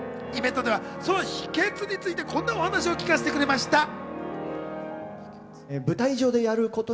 イベントではその秘訣についてこんなお話を聞かせてくれました。